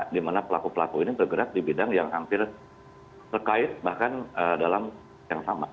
di mana pelaku pelaku ini bergerak di bidang yang hampir terkait bahkan dalam yang sama